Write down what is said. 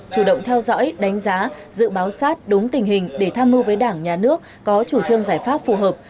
chủ động theo dõi đánh giá dự báo sát đúng tình hình để tham mưu với đảng nhà nước có chủ trương giải pháp phù hợp